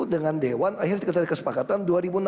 dengan dewan akhirnya kita ada kesepakatan